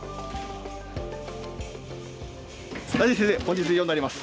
はい先生本日以上になります。